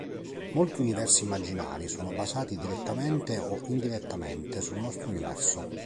Molti universi immaginari sono basati direttamente o indirettamente sul nostro universo.